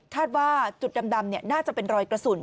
ว่าจุดดำน่าจะเป็นรอยกระสุน